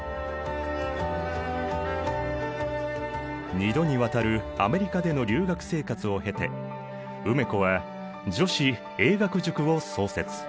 ２度にわたるアメリカでの留学生活を経て梅子は女子英学塾を創設。